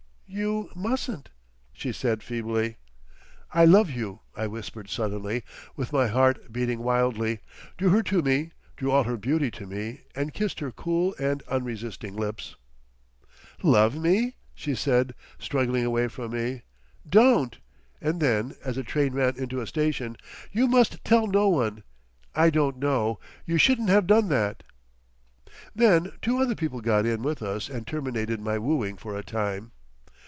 "You mustn't," she said feebly. "I love you," I whispered suddenly with my heart beating wildly, drew her to me, drew all her beauty to me and kissed her cool and unresisting lips. "Love me?" she said, struggling away from me, "Don't!" and then, as the train ran into a station, "You must tell no one.... I don't know.... You shouldn't have done that...." Then two other people got in with us and terminated my wooing for a time.